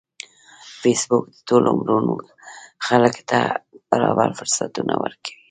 فېسبوک د ټولو عمرونو خلکو ته برابر فرصتونه ورکوي